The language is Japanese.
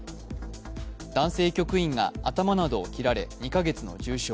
男性局員が頭などを切られ２か月の重傷。